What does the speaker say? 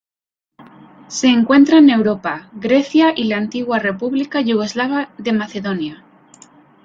Se encuentra en Europa: Grecia y la Antigua República Yugoslava de Macedonia.